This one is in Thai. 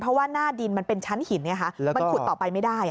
เพราะว่าหน้าดินมันเป็นชั้นหินมันขุดต่อไปไม่ได้